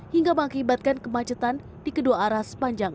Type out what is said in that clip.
hingga mengakibatkan kemacetan di kedua arah sepanjang empat km